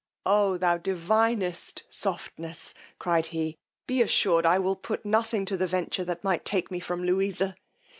Oh thou divinest softness! cried he, be assured I will put nothing to the venture that might take me from Louisa!